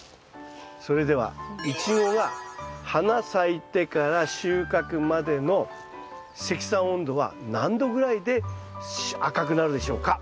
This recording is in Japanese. それではイチゴが花咲いてから収穫までの積算温度は何度ぐらいで赤くなるでしょうか？